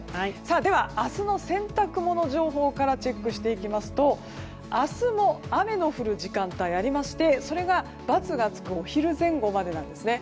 では、明日の洗濯物情報からチェックしていきますと明日も雨が降る時間帯がありましてそれが×がつくお昼前後までです。